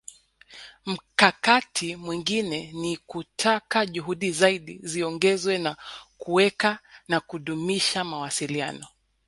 Mkakati mwingine ni kutaka juhudi zaidi ziongezwe za kuweka na kudumisha mawasiliano